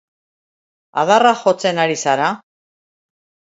Adarra jotzen ari zara?